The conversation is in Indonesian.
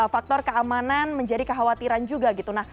faktor keamanan menjadi kekhawatiran juga gitu